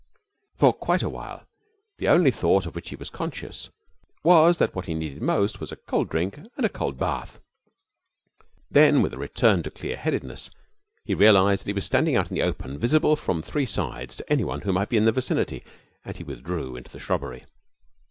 For quite a while the only thought of which he was conscious was that what he needed most was a cold drink and a cold bath. Then, with a return to clear headedness, he realized that he was standing out in the open, visible from three sides to anyone who might be in the vicinity, and he withdrew into the shrubbery.